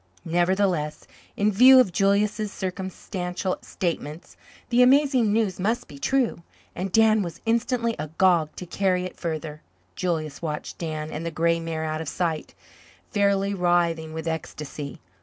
Nevertheless, in view of Julius's circumstantial statements, the amazing news must be true, and Dan was instantly agog to carry it further. Julius watched Dan and the grey mare out of sight, fairly writhing with ecstasy.